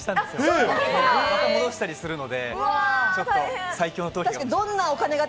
これから戻したりするので、ちょっと、最強の頭皮が。